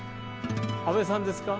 阿部さんですか？